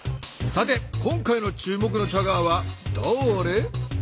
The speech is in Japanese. さて今回の注目のチャガーはだれ？